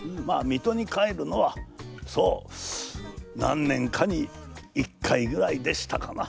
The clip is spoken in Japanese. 水戸に帰るのはそう何年かに一回ぐらいでしたかな。